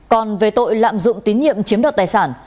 còn về tội lạm dụng tín nhiệm chiếm đoạt tài sản